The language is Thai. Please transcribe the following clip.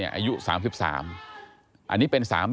ไอ้แม่ได้เอาแม่ได้เอาแม่